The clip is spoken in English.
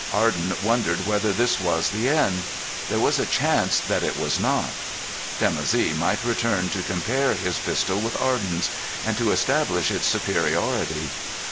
Arden wondered whether this was the end. There was a chance that it was not. Dimoussi might return to compare his pistol with Arden's, and to establish its superiority.